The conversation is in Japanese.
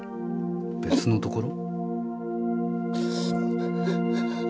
別のところ？